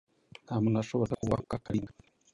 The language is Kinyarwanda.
nta muntu washoboraga kubahuka KaLinga,